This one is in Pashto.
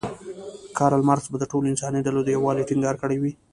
کارل مارکس به د ټولو انساني ډلو د یووالي ټینګار کړی وی.